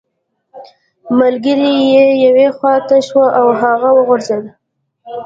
ملګری یې یوې خوا ته شو او هغه وغورځیده